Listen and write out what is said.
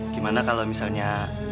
gimana kalau misalnya